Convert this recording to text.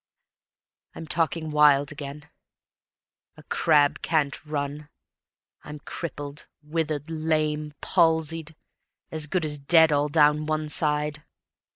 ... I'm talking wild again; A crab can't run. I'm crippled, withered, lame, Palsied, as good as dead all down one side.